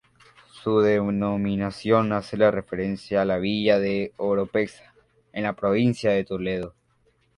Su denominación hace referencia a la villa de Oropesa, en la provincia de Toledo.